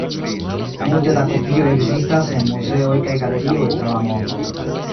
Multe da kopioj ekzistas en muzeoj kaj galerioj tra la mondo.